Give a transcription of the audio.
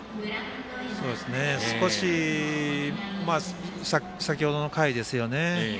少し、先ほどの回ですよね。